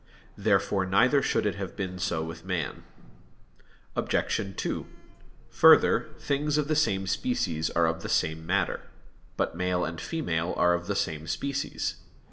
Therefore neither should it have been so with man. Obj. 2: Further, things of the same species are of the same matter. But male and female are of the same species.